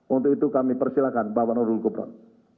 untuk itu kami persilahkan bapak nurul gubernur